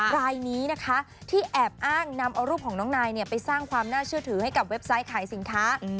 รายนี้นะคะที่แอบอ้างนำเอารูปของน้องนายไปสร้างความน่าเชื่อถือให้กับเว็บไซต์ขายสินค้า